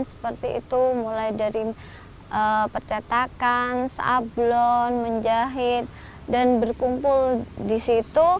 seperti itu mulai dari percetakan sablon menjahit dan berkumpul di situ